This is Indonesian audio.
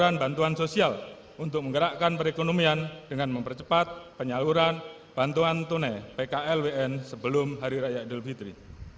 dan perkembangan sosial untuk menggerakkan perekonomian dengan mempercepat penyaluran bantuan tunai pkl wn sebelum hari raya idul fitri